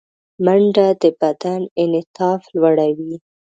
منډه د بدن انعطاف لوړوي